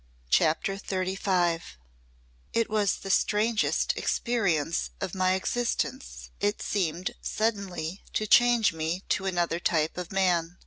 CHAPTER XXXV "It was the strangest experience of my existence. It seemed suddenly to change me to another type of man."